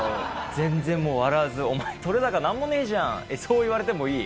全然もう笑わず、お前、撮れ高なんもないじゃんってそう言われてもいい。